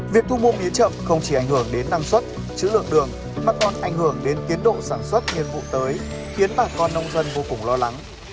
việc thu mua mía chậm không chỉ ảnh hưởng đến năng suất chữ lượng đường mà còn ảnh hưởng đến tiến độ sản xuất nhiên vụ tới khiến bà con nông dân vô cùng lo lắng